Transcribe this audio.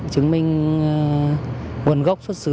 chứng minh nguồn gốc xuất xứ